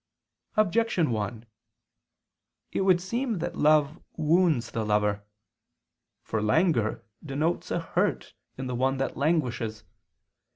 Objection 1: It would seem that love wounds the lover. For languor denotes a hurt in the one that languishes.